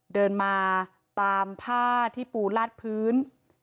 เดินมาตามผ้าที่ปูลาดพื้น